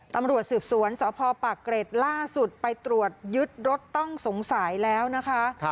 ตำรวจสืบสวนสพปากเกร็ดล่าสุดไปตรวจยึดรถต้องสงสัยแล้วนะคะ